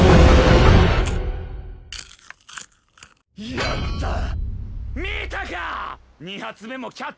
やったッ！